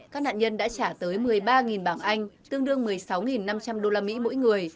các nạn nhân đã trả tới một mươi ba bảng anh tương đương một mươi sáu năm trăm linh usd mỗi người